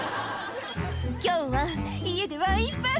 「今日は家でワインパーティー」